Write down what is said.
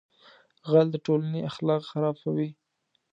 غل د ټولنې اخلاق خرابوي